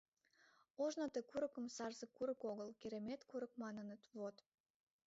Ожно ты курыкым Сарзе курык огыл, Керемет курык маныныт, вот...